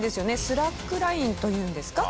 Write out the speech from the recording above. スラックラインというんですか？